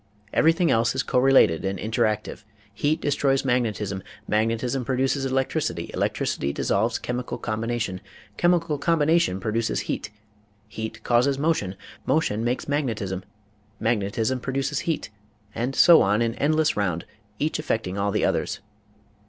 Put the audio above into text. Everything else is correlated and interactive. Heat destroys mag netism, magnetism produces electricity ; electricity dis solves chemical combination; chemical combination produces heat ; heat causes motion ; motion makes mag netism; magnetism produces heat; and so on in end less round, each affecting all the others.